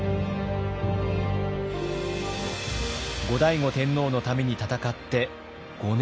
後醍醐天皇のために戦って５年余り。